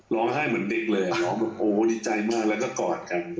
ให้เหมือนเด็กเลยร้องแบบโอ้ดีใจมากแล้วก็กอดกัน